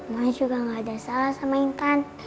mama juga gak ada salah sama intan